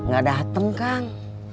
gak dateng kang